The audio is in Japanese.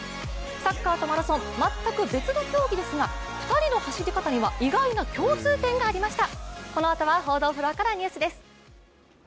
サッカーとマラソン、全く別の競技ですが、２人の走り方には意外な共通点がありました。